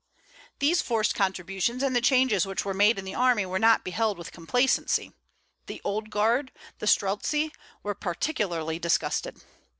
These forced contributions and the changes which were made in the army were not beheld with complacency. The old guard, the Streltzi, were particularly disgusted.